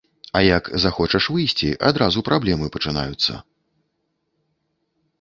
А як захочаш выйсці, адразу праблемы пачынаюцца.